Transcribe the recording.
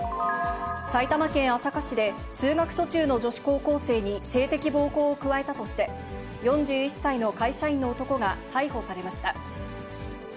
埼玉県朝霞市で、通学途中の女子高校生に性的暴行を加えたとして、４１歳の会社員の男が逮捕されました。